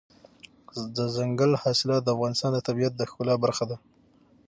دځنګل حاصلات د افغانستان د طبیعت د ښکلا برخه ده.